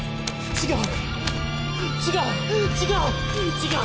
違う！